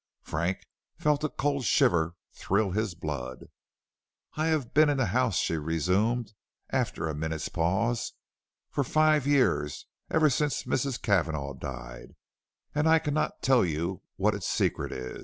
Frank felt a cold shiver thrill his blood. "I have been in the house," she resumed, after a minute's pause, "for five years; ever since Mrs. Cavanagh died, and I cannot tell you what its secret is.